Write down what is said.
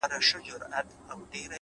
مهرباني خاموشه اغېز لري,